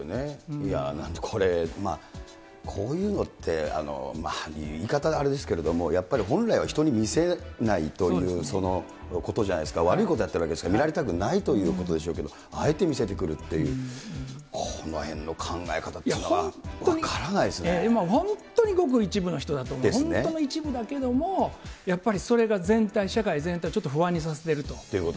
いや、これ、こういうのって、言い方があれですけれども、やっぱり本来は人に見せないという、そのことじゃないですか、悪いことやったら見られたくないということでしょうけど、あえて見せてくるっていう、このへんの考え方っていうのは本当に分から今、本当にごく一部の人だと思う、本当に一部の人だけれども、やっぱりそれが全体、社会全体をちょっと不安にさせてると。